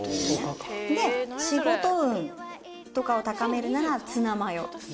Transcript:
仕事運とかを高めるならツナマヨ。